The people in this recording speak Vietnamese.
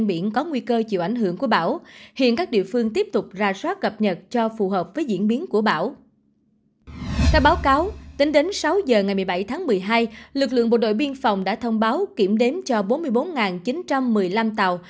đến sáu giờ ngày một mươi bảy tháng một mươi hai lực lượng bộ đội biên phòng đã thông báo kiểm đếm cho bốn mươi bốn chín trăm một mươi năm tàu